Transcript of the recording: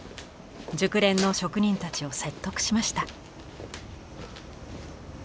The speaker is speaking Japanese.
熟練の職人たちを説得しました。